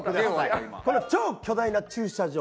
この超巨大な駐車場。